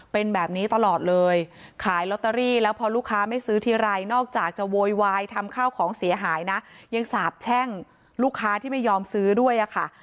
เพราะว่าของเสียหายนะยังสาบแช่งลูกค้าที่ไม่ยอมซื้อด้วยอะค่ะ